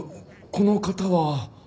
この方は？